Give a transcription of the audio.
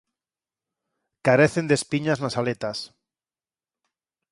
Carecen de espiñas nas aletas.